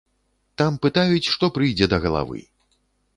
Там пытаюць, што прыйдзе да галавы.